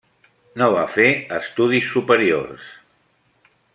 No va fer estudis superiors.